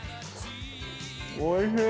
おいしい！